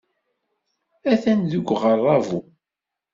Atan deg uɣerrabu.